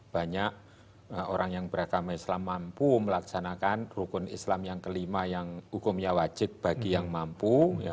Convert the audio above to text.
banyak orang yang beragama islam mampu melaksanakan rukun islam yang kelima yang hukumnya wajib bagi yang mampu